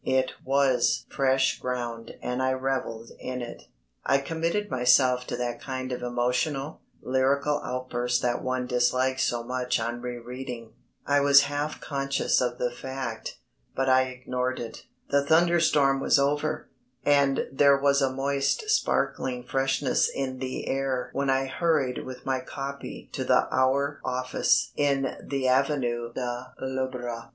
It was fresh ground and I revelled in it. I committed myself to that kind of emotional, lyrical outburst that one dislikes so much on re reading. I was half conscious of the fact, but I ignored it. The thunderstorm was over, and there was a moist sparkling freshness in the air when I hurried with my copy to the Hour office in the Avenue de l'Opéra.